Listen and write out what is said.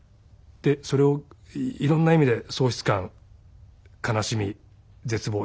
でそれをいろんな意味で喪失感悲しみ絶望